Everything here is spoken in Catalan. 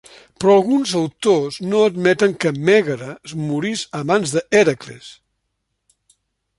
Però alguns autors no admeten que Mègara morís a mans d'Hèracles.